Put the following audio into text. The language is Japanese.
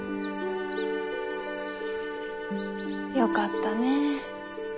よかったねえ。